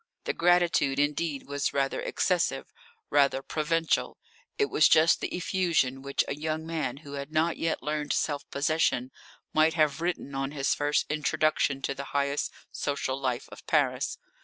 The gratitude, indeed, was rather excessive, rather provincial. It was just the effusion which a young man who had not yet learned self possession might have written on his first introduction to the highest social life of Paris.